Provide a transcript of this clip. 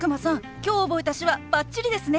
今日覚えた手話バッチリですね！